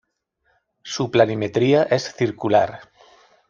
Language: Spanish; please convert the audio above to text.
Su planimetría es circular.